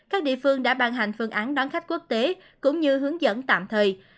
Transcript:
các địa phương đã ban hành phương án đón khách quốc tế cũng như hướng dẫn tạm thời